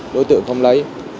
đối tượng không lấy